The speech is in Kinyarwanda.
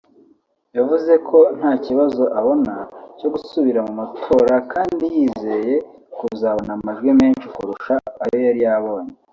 yavuze ko nta kibazo abona cyo gusubira mu matora kandi yizeye kuzabona amajwi menshi kurusha ayo yari yabonye